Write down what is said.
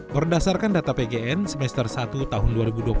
berdasarkan data pgn semester satu tahun dua ribu dua puluh